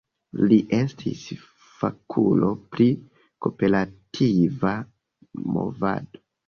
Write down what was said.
Li estis fakulo pri kooperativa movado.